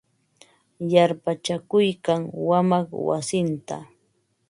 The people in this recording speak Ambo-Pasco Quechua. Yarpachakuykan wamaq wasinta.